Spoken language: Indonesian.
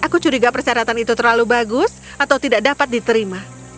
aku curiga persyaratan itu terlalu bagus atau tidak dapat diterima